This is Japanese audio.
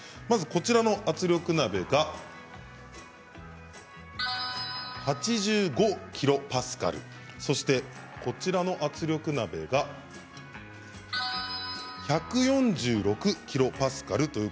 まず左側の圧力鍋が８５キロパスカルそして右の圧力鍋が１４６キロパスカル。